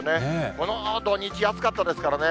この土日は暑かったですからね。